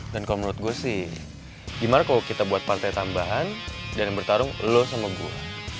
dan kalau menurut gue sih gimana kalau kita buat partai tambahan dan bertarung lo sama gue